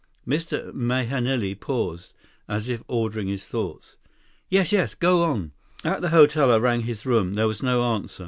27 Mr. Mahenili paused, as if ordering his thoughts. "Yes, yes. Go on." "At the hotel, I rang his room. There was no answer.